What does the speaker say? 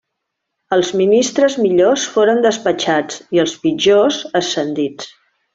Els ministres millors foren despatxats i els pitjors ascendits.